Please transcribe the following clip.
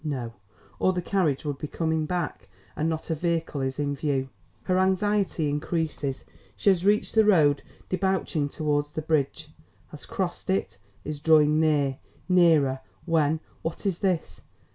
No, or the carriage would be coming back, and not a vehicle is in view. Her anxiety increases. She has reached the road debouching towards the bridge has crossed it is drawing near nearer when, what is this?